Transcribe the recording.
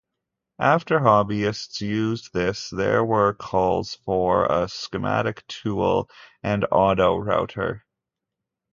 After hobbyists used this, there were calls for a schematic tool and autorouter.